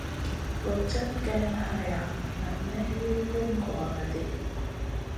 Gòd cad ken haya na may wi bum gòoro ɗi.